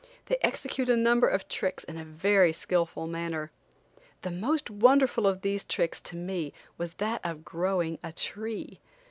They execute a number of tricks in a very skillful manner. The most wonderful of these tricks, to me, was that of growing a tree.